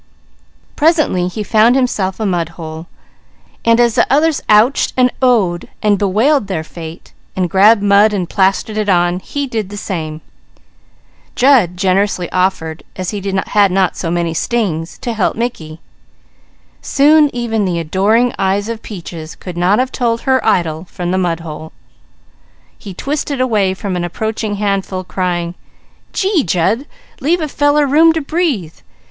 Presently he found himself beside a mudhole and as the others "ouched" and "o ohed" and bewailed their fate, and grabbed mud and plastered it on, he did the same. Jud generously offered, as he had not so many stings, to help Mickey. Soon even the adoring eyes of Peaches could not have told her idol from the mudhole. He twisted away from an approaching handful crying: "Gee Jud! Leave a feller room to breathe!